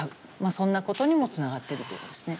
そんなことにもつながっているということですね。